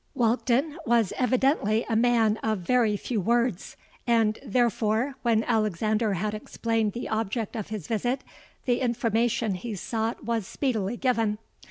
"Walkden was evidently a man of very few words; and therefore, when Alexander had explained the object of his visit, the information he sought was speedily given.